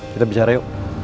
kita bicara yuk